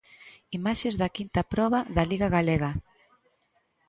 Imaxes da quinta proba da Liga Galega.